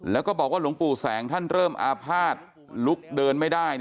แล้วก็บอกว่าหลวงปู่แสงท่านเริ่มอาภาษณ์ลุกเดินไม่ได้